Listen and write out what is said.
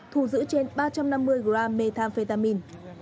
thù giữ trên ba trăm năm mươi gram methamphetamine